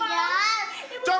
bu silvi jahat